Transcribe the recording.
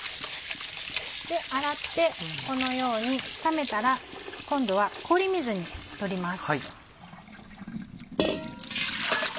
洗ってこのように冷めたら今度は氷水に取ります。